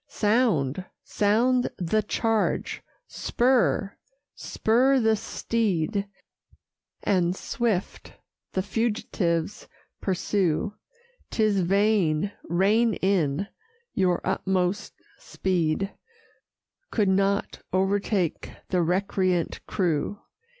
Sound, sound the charge! spur, spur the steed, And swift the fugitives pursue 'Tis vain: rein in your utmost speed Could not o'ertake the recreant crew.